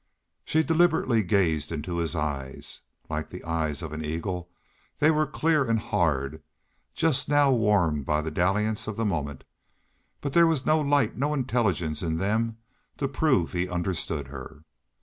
She deliberately gazed into his eyes. Like the eyes of an eagle, they were clear and hard, just now warmed by the dalliance of the moment, but there was no light, no intelligence in them to prove he understood her.